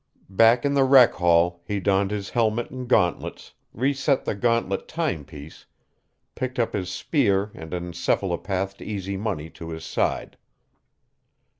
Back in the rec hall, he donned his helmet and gauntlets, reset the gauntlet timepiece, picked up his spear and encephalopathed Easy Money to his side.